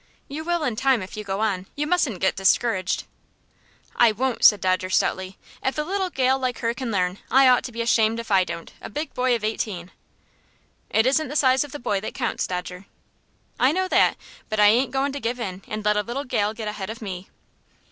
"You will in time if you go on. You mustn't get discouraged." "I won't!" said Dodger, stoutly. "If a little gal like her can learn, I'd ought to be ashamed if I don't a big boy of eighteen." "It isn't the size of the boy that counts, Dodger." "I know that, but I ain't goin' to give in, and let a little gal get ahead of me!"